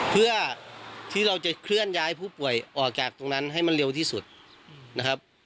เพื่อที่เราจะเคลื่อนย้ายผู้ป่วยออกจากตรงนั้นให้มันเร็วที่สุดนะครับ